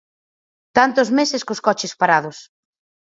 Tantos meses cos coches parados.